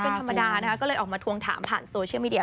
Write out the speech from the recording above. เป็นธรรมดานะคะก็เลยออกมาทวงถามผ่านโซเชียลมีเดีย